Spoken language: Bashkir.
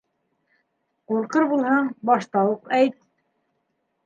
Ҡурҡыр булһаң, башта уҡ әйт!